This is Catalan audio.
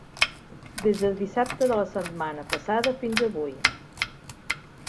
Des de dissabte de la setmana passada fins avui.